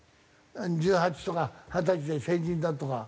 １８とか二十歳で成人だとか。